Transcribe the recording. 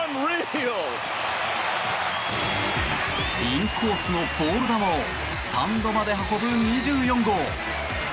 インコースのボール球をスタンドまで運ぶ２４号。